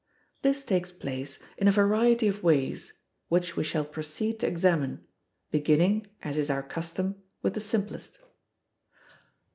This takes place in a variety of ways, which we shall proceed to examine, beginning, as is our custom, with the simplest.